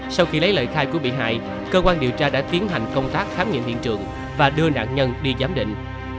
sau khi lấy lời khai của bị hại cơ quan điều tra đã tiến hành công tác khám nghiệm hiện trường và đưa nạn nhân đi giám định